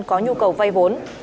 có nhu cầu vay vốn